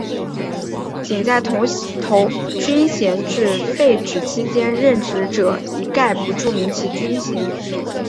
仅在军衔制废止期间任职者一概不注明其军衔。